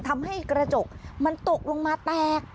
ทำให้กระจกมันตกลงมาแตก